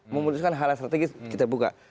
memutuskan hal yang strategis kita buka